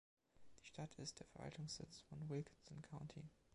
Die Stadt ist der Verwaltungssitz von Wilkinson County.